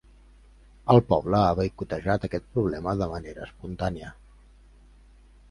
El poble ha boicotejat aquest producte de manera espontània.